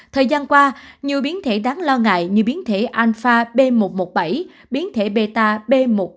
thời gian qua nhiều biến thể đáng lo ngại như biến thể alpha b một một bảy biến thể beta b một ba một năm